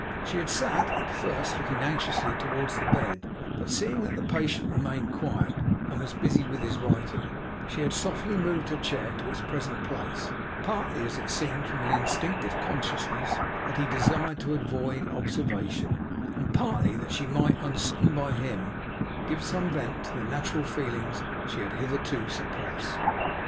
She had sat, at first looking anxiously towards the bed; but seeing that the patient remained quiet, and was busy with his writing, she had softly moved her chair into its present place; partly, as it seemed, from an instinctive consciousness that he desired to avoid observation; and partly that she might, unseen by him, give some vent to the natural feelings she had hitherto suppressed.